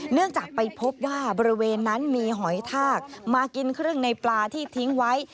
เนื่องจากไปพบว่าบริเวณนั้นมีหอยทากมากินครึ่งในปลาที่ทิ้งไว้